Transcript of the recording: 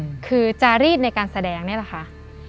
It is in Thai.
คือจารีดในการแสดงนี่แหละค่ะ